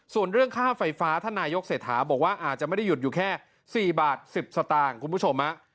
ส่วนเรื่องค่าไฟฟ้าท่านนายกเศรษฐาบอกว่าอาจจะไม่ได้หยุดอยู่แค่๔บาท๑๐สตางค์คุณผู้ชม